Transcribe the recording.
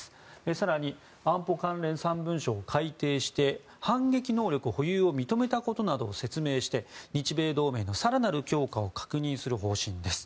更に安保関連３文書を改定して反撃能力保有を認めたことなどを説明して日米同盟の更なる強化を確認する方針です。